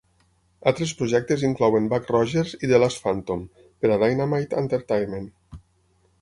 Altres projectes inclouen "Buck Rogers" i "The Last Phantom" per a Dynamite Entertainment.